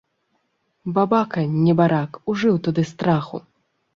Бабака, небарак, ужыў тады страху!